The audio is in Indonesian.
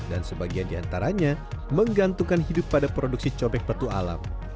dan sebagian di antaranya menggantungkan hidup pada produksi cobek petualam